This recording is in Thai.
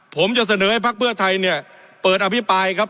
ผมจะเสนอให้พักเพื่อไทยเนี่ยเปิดอภิปรายครับ